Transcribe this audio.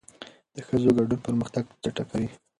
د ښځو ګډون پرمختګ چټکوي.